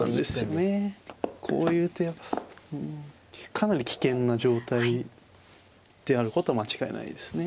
かなり危険な状態であることは間違いないですね。